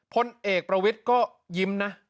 พลเอกประวิทย์ก็ยิ้มนะ